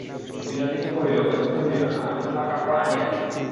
বিনোদিনী কহিল, ব্যস্ত হইয়ো না, আমি তোমার কাপড় আনিয়া দিই।